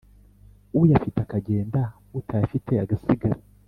uyafite akagenda, utayafite agasigara,